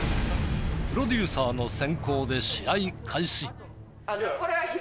プロデューサーの先攻で試合開始。